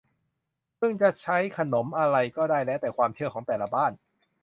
ซึ่งจะใช้ขนมอะไรก็ได้แล้วแต่ความเชื่อของแต่ละบ้าน